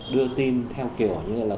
đưa tin theo kiểu như là